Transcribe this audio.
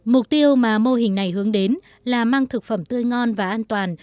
mục tiêu mà mô hình này hướng đến là mang thực phẩm tươi ngon và an toàn